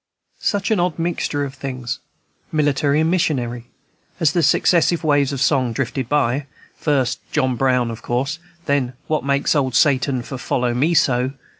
Such an odd mixture of things, military and missionary, as the successive waves of song drifted byl First, "John Brown," of course; then, "What make old Satan for follow me so?"